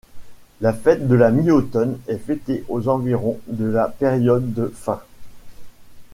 La fête de la mi-automne est fêtée aux environs de la période de fin.